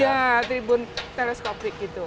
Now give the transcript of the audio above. ya tribun teleskopik gitu